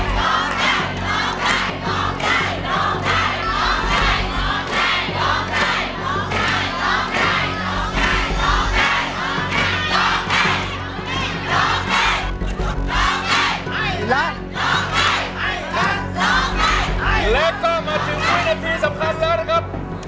แล้วก็มาถึงวินาทีสำคัญแล้วนะครับ